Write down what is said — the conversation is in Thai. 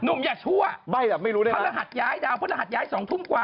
หนุ่มอย่างล่ะคัลภรรหัสย้ายดาวพรหัสย้ายสองทุ่มกว่า